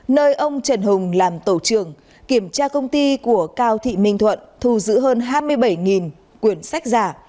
nơi ông trần hùng làm tổ trưởng kiểm tra công ty của cao thị minh thuận thu giữ hơn hai mươi bảy quyển sách giả